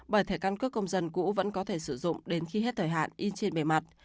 bởi thẻ căn cước công dân cũ vẫn có thể sử dụng đến khi hết thời hạn in trên bề mặt